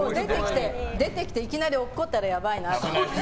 出てきていきなりおっこったらやばいなと思って。